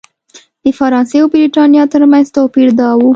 د فرانسې او برېټانیا ترمنځ توپیر دا و.